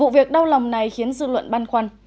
việc đau lòng này khiến dư luận băn khoăn